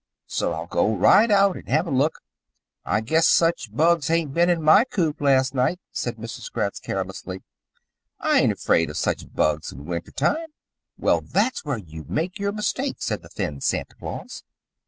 So I'll go right out and have a look " "I guess such bugs ain't been in my coop last night," said Mrs. Gratz carelessly. "I aint afraid of such bugs in winter time." "Well, that's where you make your mistake," said the thin Santa Claus.